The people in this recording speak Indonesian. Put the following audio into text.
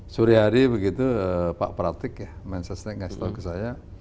suri hari begitu pak pratik ya manchester state ngasih tau ke saya